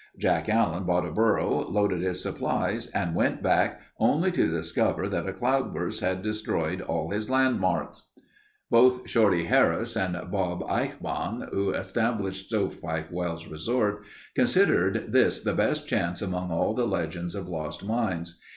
Jack Allen bought a burro, loaded his supplies and went back only to discover that a cloudburst had destroyed all his landmarks. Both Shorty Harris and "Bob" Eichbaum, who established Stove Pipe Wells resort, considered this the best chance among all the legends of lost mines.